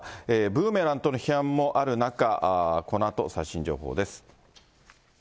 ブーメランとの批判もある中、このあと最新情報です。